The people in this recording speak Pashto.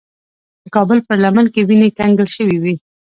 د کابل پر لمن کې وینې کنګل شوې وې.